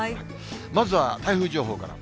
まずは台風情報から。